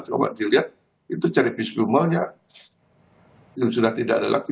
cuma dilihat itu cari bis bumulnya itu sudah tidak ada lagi